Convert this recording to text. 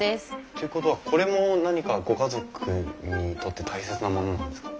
っていうことはこれも何かご家族にとって大切なものなんですか？